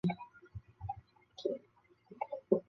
努斯拉阵线悬赏奖励任何活捉俄军士兵的人。